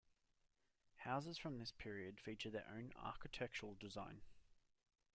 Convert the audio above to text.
Houses from this period feature their own architectural design.